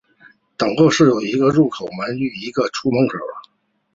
等候室有一个入口门与一个出口门。